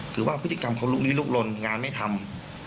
คือว่าพฤติกรรมเขาลุกลี้ลุกลนงานไม่ทำ